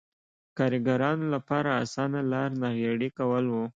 کارګرانو لپاره اسانه لار ناغېړي کول و.